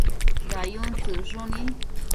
dayun tsëcshuni